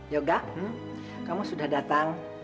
yoga kamu sudah datang